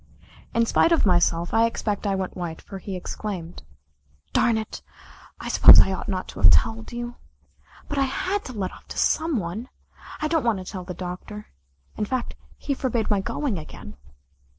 In spite of myself, I expect I went white, for he exclaimed: "Darn it, I suppose I ought not to have told you. But I had to let off to some one. I don't want to tell the Doctor. In fact, he forbade my going again."